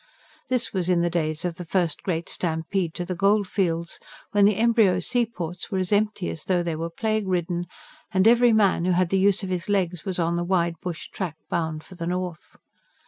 That was in the days of the first great stampede to the goldfields, when the embryo seaports were as empty as though they were plague ridden, and every man who had the use of his legs was on the wide bush track, bound for the north.